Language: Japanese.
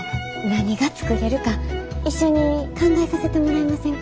何が作れるか一緒に考えさせてもらえませんか？